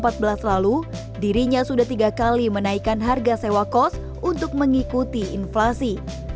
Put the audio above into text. pada tanggal empat belas lalu dirinya sudah tiga kali menaikkan harga sewa kos untuk mengikuti inflasi